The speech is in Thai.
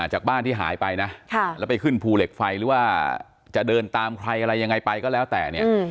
จากบ้านที่หายไปนะแล้วไปขึ้นภูเหล็กไฟหรือว่าจะเดินตามใครอะไรยังไงไปก็แล้วแต่เนี่ย